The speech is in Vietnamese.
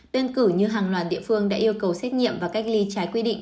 đơn cử như hàng loạt địa phương đã yêu cầu xét nghiệm và cách ly trái quy định